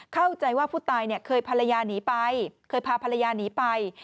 เข้าใจว่าผู้ตายเคยพาพลายาหนีไป